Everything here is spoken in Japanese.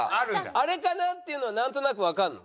「あれかな？」っていうのはなんとなくわかるの？